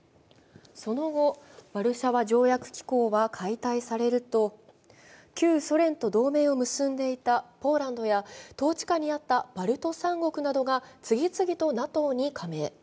その後、ワルシャワ条約機構は解体されると、旧ソ連と同盟を結んでいたポーランドや、統治下にあったバルト三国などが次々とＮＡＴＯに亀井。